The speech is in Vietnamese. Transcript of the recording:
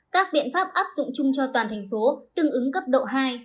các biện pháp áp dụng chung cho toàn thành phố tương ứng cấp độ hai